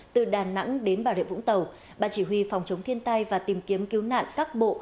từ đà nẵng đến bà rịa vũng tàu ban chỉ huy phòng chống thiên tai và tìm kiếm cứu nạn các bộ